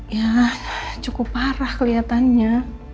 ya cukup parah keliatannya